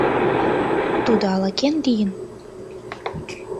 Тудо ала-кӧн лийын.